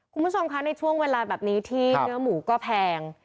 คุณผู้ชมคะในช่วงเวลาแบบนี้ที่เนื้อหมูก็แพง